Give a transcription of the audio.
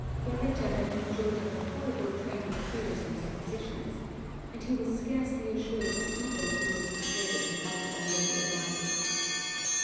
Your letter had conjured up a horrible train of fears and suppositions, and he was scarcely assured the evil he most dreaded had not already arrived.